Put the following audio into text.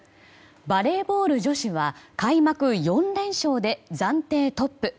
バレーボール女子は開幕４連勝で暫定トップ。